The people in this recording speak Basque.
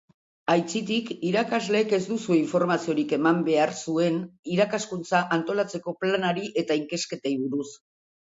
Aitzitik, irakasleek ez duzue informaziorik eman behar zuen Irakaskuntza Antolatzeko Planari eta inkestei buruz.